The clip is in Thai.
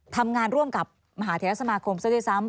ทำงานร่วมกับมหาเทศสมาคมซะด้วยซ้ำ